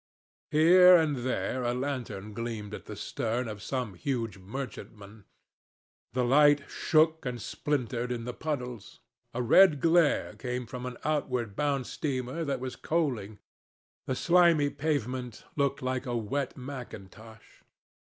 Here and there a lantern gleamed at the stern of some huge merchantman. The light shook and splintered in the puddles. A red glare came from an outward bound steamer that was coaling. The slimy pavement looked like a wet mackintosh.